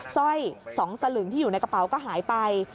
สร้อย๒สลึงที่อยู่ในกระเป๋าก็หายไป